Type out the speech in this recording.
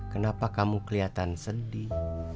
kenapa kamu keliatan sedih